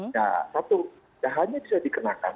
nah satu hanya bisa dikenakan